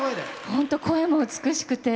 本当、声も美しくて。